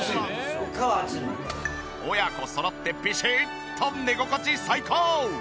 親子そろってピシッと寝心地最高！